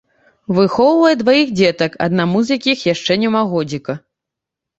Выхоўвае дваіх дзетак, аднаму з якіх яшчэ няма годзіка.